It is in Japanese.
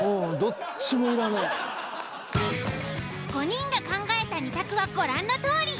５人が考えた２択はご覧のとおり。